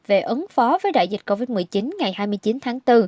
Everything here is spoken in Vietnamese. về ứng phó với đại dịch covid một mươi chín ngày hai mươi chín tháng bốn